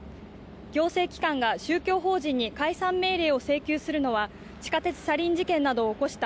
行政機関が宗教法人に解散命令を請求するのは地下鉄サリン事件などを起こした